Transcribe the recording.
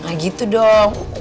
nah gitu dong